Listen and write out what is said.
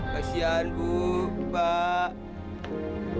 kasihan bu pak